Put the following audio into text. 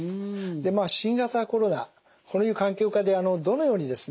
まあ新型コロナこういう環境下でどのようにですね